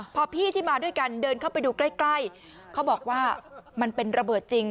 พอพี่ที่มาด้วยกันเดินเข้าไปดูใกล้ใกล้เขาบอกว่ามันเป็นระเบิดจริง